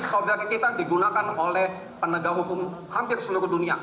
saudara kita digunakan oleh penegak hukum hampir seluruh dunia